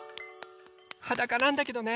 はだかなんだけどね！